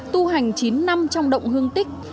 tu hành chín năm trong động hương tích